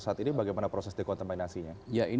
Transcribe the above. saat ini bagaimana proses dekontaminasinya